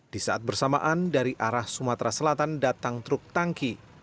di saat bersamaan dari arah sumatera selatan datang truk tangki